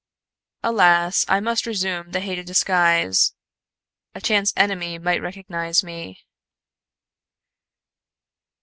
"Alas, I must resume the hated disguise. A chance enemy might recognize me."